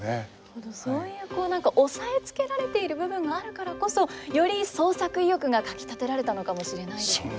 本当にそういうこう何か抑えつけられている部分があるからこそより創作意欲がかきたてられたのかもしれないですね。